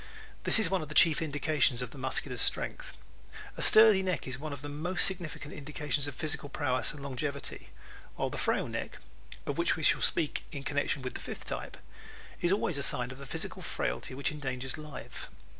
This is one of the chief indications of the Muscular's strength. A sturdy neck is one of the most significant indications of physical prowess and longevity, while the frail neck of which we shall speak in connection with the fifth type is always a sign of the physical frailty which endangers life.